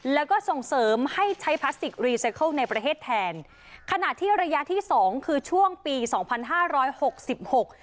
แล้วก็ส่งเสริมให้ใช้พลาสติกรีไซเคิลในประเทศแทนขณะที่ระยะที่สองคือช่วงปีสองพันห้าร้อยหกสิบหก